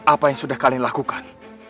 apa yang sudah kalian lakukan